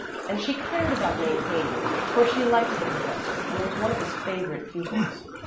And she cared about maintaining it, for she liked the professor and was one of his favorite pupils.